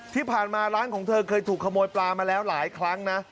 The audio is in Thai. ที่ผ่านมาร้านของเธอเคยถูกขโมยปลามาแล้วหลายครั้งนะ